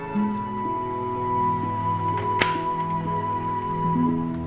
pertahankan pernikahan kamu